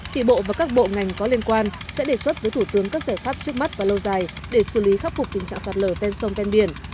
thì bộ và các bộ ngành có liên quan sẽ đề xuất với thủ tướng các giải pháp trước mắt và lâu dài để xử lý khắc phục tình trạng sạt lở ven sông ven biển